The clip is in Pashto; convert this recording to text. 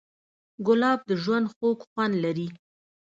ګلاب د ژوند خوږ خوند لري.